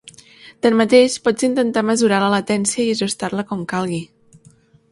Tanmateix, pots intentar mesurar la latència i ajustar-la com calgui.